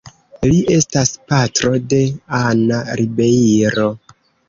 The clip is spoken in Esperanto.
Li estas patro de Ana Ribeiro.